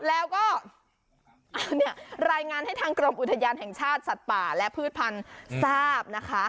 แล้วก็เอาเนี่ยรายงานให้ทางกรมอุทยานแห่งชาติสัตว์ป่าและพืชพันธุ์ทราบนะคะ